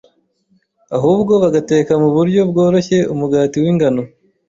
ahubwo bagateka mu buryo bworoshye umugati w’ingano,